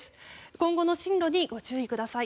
今後の進路にご注意ください。